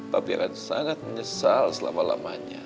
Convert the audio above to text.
tapi akan sangat menyesal selama lamanya